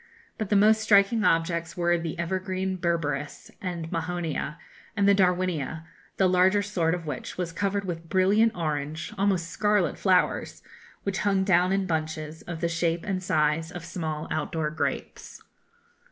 But the most striking objects were the evergreen berberis and mahonia, and the Darwinia, the larger sort of which was covered with brilliant orange, almost scarlet, flowers, which hung down in bunches, of the shape and size of small outdoor grapes. [Illustration: Fuegian Bow and Arrows.